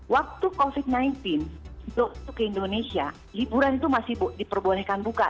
waktu covid sembilan belas itu ke indonesia liburan itu masih diperbolehkan buka